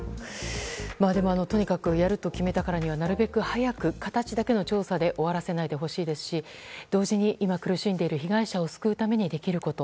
とにかくやると決めたからにはなるべく早く形だけの調査で終わらせないでほしいですし同時に今苦しんでいる被害者を救うためにできること。